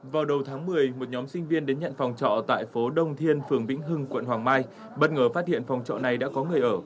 vào đầu tháng một mươi một nhóm sinh viên đến nhận phòng trọ tại phố đông thiên phường vĩnh hưng quận hoàng mai bất ngờ phát hiện phòng trọ này đã có người ở